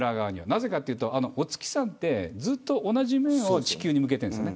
なぜかと言うとお月さんはずっと同じ面を地球に向けているんです。